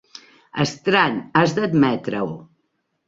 Estrany, has d'admetre-ho.